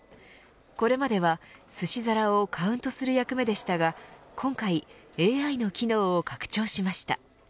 これまではすし皿をカウントする役目でしたが今回、ＡＩの機能を拡張しました。